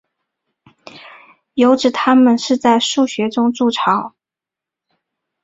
有指它们是在树穴中筑巢。